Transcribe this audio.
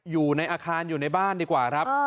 อยู่ในอาคารอยู่ในบ้านดีกว่าครับ